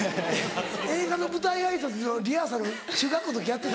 映画の舞台挨拶のリハーサル中学校の時やってた？